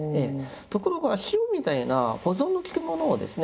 ところが塩みたいな保存のきくものをですね